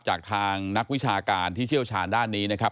จากทางนักวิชาการที่เชี่ยวชาญด้านนี้นะครับ